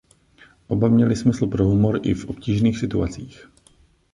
Oba měli smysl pro humor i v obtížných situacích.